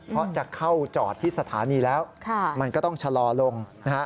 เพราะจะเข้าจอดที่สถานีแล้วมันก็ต้องชะลอลงนะฮะ